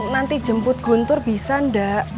nanti jemput guntur bisa nggak